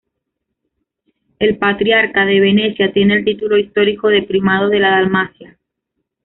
El patriarca de Venecia tiene el título histórico de primado de la Dalmacia.